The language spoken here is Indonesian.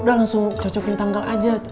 udah langsung cocokin tanggal aja